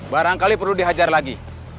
barangkali perlu dihajar lagi